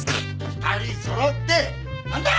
２人そろって何だ？